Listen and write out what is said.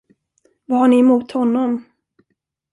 Vad har ni emot honom?